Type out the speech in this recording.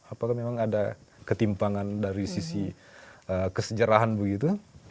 apakah memang ada ketimpangan dari sisi kesejarahan begitu